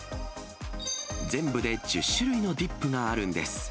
全部で１０種類のディップがあるんです。